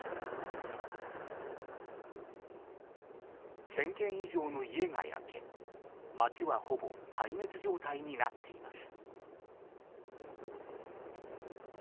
１０００軒以上の家が焼け、街はほぼ壊滅状態になっています。